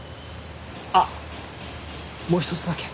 あっもうひとつだけ。